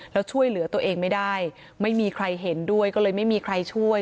แล้วช่วยเหลือตัวเองไม่ได้ไม่มีใครเห็นด้วยก็เลยไม่มีใครช่วย